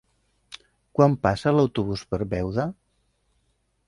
Quan passa l'autobús per Beuda?